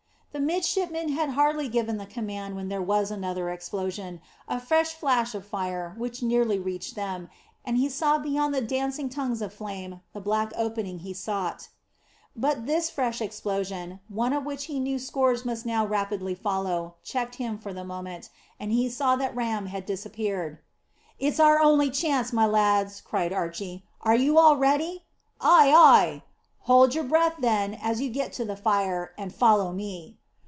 The midshipman had hardly given the command when there was another explosion, a fresh flash of fire, which nearly reached them, and he saw beyond the dancing tongues of flame the black opening he sought. But this fresh explosion one of which he knew scores must now rapidly follow checked him for the moment, and he saw that Ram had disappeared. "It's our only chance, my lads," cried Archy. "Are you all ready?" "Ay, ay." "Hold your breath, then, as you get to the fire, and follow me."